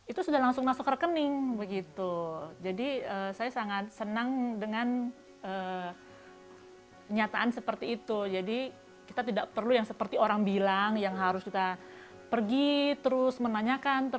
itu memang hasil dari informasi yang kita dapat dari sekelilingnya kita